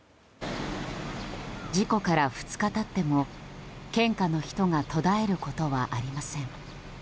事故から２日経っても献花の人が途絶えることはありません。